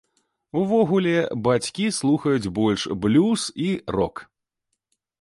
Увогуле, бацькі слухаюць больш блюз і рок.